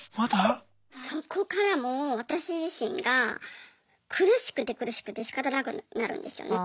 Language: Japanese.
そこからもう私自身が苦しくて苦しくてしかたなくなるんですよね。